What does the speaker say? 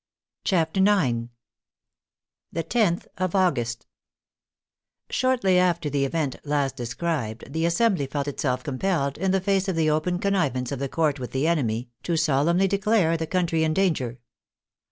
CHAPTER IX THE TENTH OF AUGUST Shortly after the event last described the Assembly felt itself compelled, in the face of the open connivance of the Court with the enemy, to solemnly declare the country in danger.